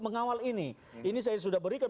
mengawal ini ini saya sudah berikan